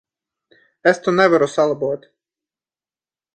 Es to nevaru salabot.